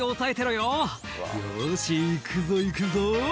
「よし行くぞ行くぞ」